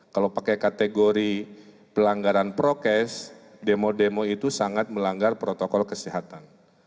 kalau pakai kategori pelanggaran prokes demo demo itu sangat melanggar protokol kesehatan